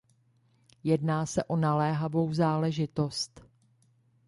Jedná se o naléhavou záležitost.